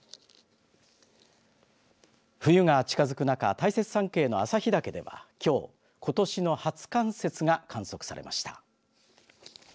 冬が近づく中大雪山系の旭岳ではきょう、ことしの初冠雪が観測されました。